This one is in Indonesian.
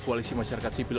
kualisi masyarakat sipil